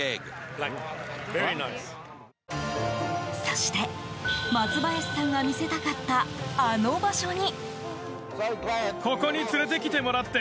そして松林さんが見せたかった、あの場所に。